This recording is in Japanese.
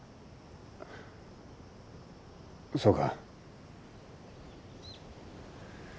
そうか。